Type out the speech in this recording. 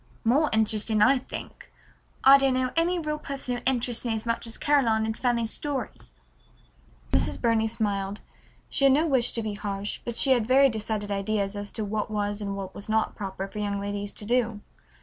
"More interesting, I think. I don't know any real person who interests me as much as Caroline in Fanny's story." Mrs. Burney smiled. She had no wish to be harsh, but she had very decided ideas as to what was and what was not proper for young ladies to do.